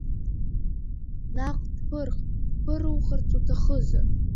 Наҟ дԥырх, дԥырухырц уҭахызар!